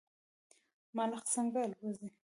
ملخ څنګه الوځي؟